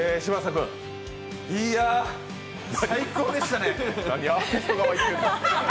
いや最高でしたね！